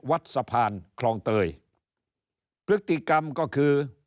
วัดสะพานคลองเตยพฤติกรรมก็คือ